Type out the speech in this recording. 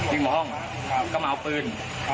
วิ่งมาห้องก็มาเอาปืน